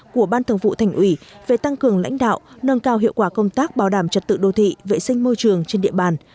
của ban thường vụ thành ủy về tăng cường lãnh đạo nâng cao hiệu quả công tác bảo đảm trật tự đô thị vệ sinh môi trường trên địa bàn